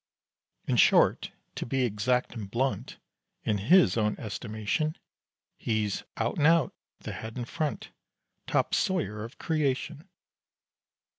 In short, to be exact and blunt, In his own estimation He's "out and out" the head and front Top sawyer of creation!